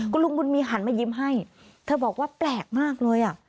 คุณลุงบุญมีหันมายิ้มให้เธอบอกว่าแปลกมากเลยอ่ะ